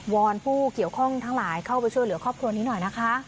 อนผู้เกี่ยวข้องทั้งหลายเข้าไปช่วยเหลือครอบครัวนี้หน่อยนะคะ